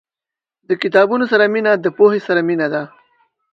• د کتابونو سره مینه، د پوهې سره مینه ده.